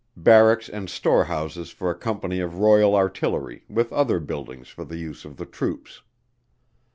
Barracks and Store houses for a company of Royal Artillery with other buildings for the use of the troops.